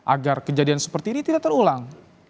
agar kejadian seperti ini tidak terulang